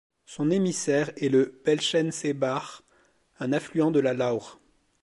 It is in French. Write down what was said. Son émissaire est le Belchenseebach, un affluent de la Lauch.